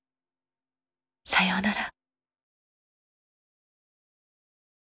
さようなら。